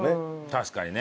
確かにね。